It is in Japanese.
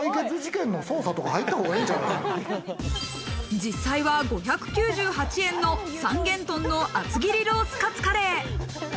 実際は５９８円の「三元豚の厚切りロースカツカレー」。